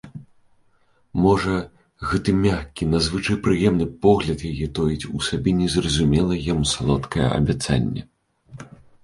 Можа, гэты мяккі, надзвычай прыемны погляд яе тоіць у сабе незразумелае яму салодкае абяцанне?